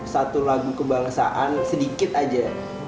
satu lagu kebangsaan sedikit aja